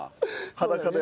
裸で。